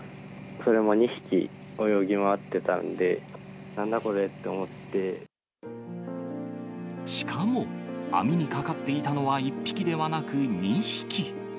それも２匹泳ぎ回ってたんで、しかも、網にかかっていたのは１匹ではなく２匹。